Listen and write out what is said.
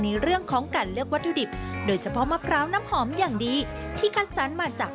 ในเรื่องของการเลือกวัตถุดิบโดยเฉพาะมะพร้าวน้ำหอมอย่างดีที่คัดสรรมาจาก